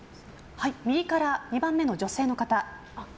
右から２番目の女性の方。